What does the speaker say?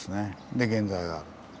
で現在がある。